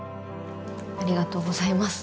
ありがとうございます。